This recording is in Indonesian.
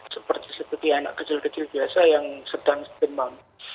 seperti anak kecil kecil biasa yang sedang demam